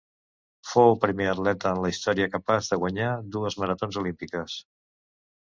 Fou el primer atleta en la història capaç de guanyar dues maratons olímpiques.